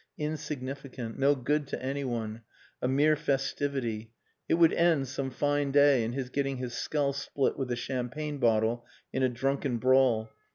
Insignificant; no good to anyone; a mere festivity. It would end some fine day in his getting his skull split with a champagne bottle in a drunken brawl.